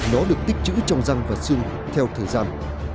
nó được tích chữ trong răng và xương theo thời gian